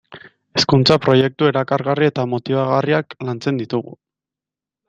Hezkuntza-proiektu erakargarri eta motibagarriak lantzen ditugu.